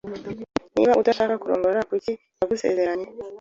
Niba adashaka kukurongora, kuki yagusezeranye?